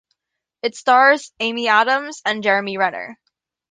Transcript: It stars Amy Adams and Jeremy Renner.